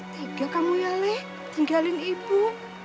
tega kamu ya le tinggalin ibu